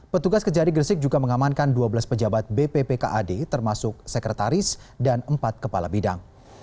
petugas kejari gresik juga mengamankan dua belas pejabat bppkad termasuk sekretaris dan empat kepala bidang